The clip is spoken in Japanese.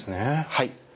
はい。